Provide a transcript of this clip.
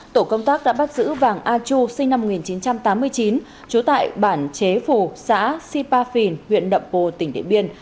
tổ công tác đã bắt giữ vàng a chu sinh năm một nghìn chín trăm tám mươi chín trú tại bản chế phù xã sipa phìn huyện đậm pồ tỉnh điện biên